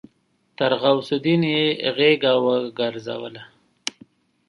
تر غوث الدين يې غېږه وګرځوله.